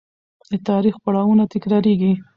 د تاریخ پړاوونه تکرارېږي.